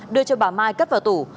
đưa cho bà mai cất vào tủ